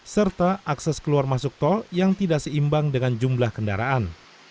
serta akses keluar masuk tol yang tidak seimbang dengan jumlah kendaraan